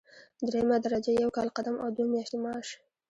دریمه درجه یو کال قدم او دوه میاشتې معاش.